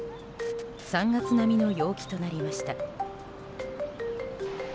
３月並みの陽気となりました。